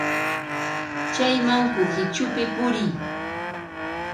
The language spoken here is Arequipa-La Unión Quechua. Chayman kuhichupi puriy.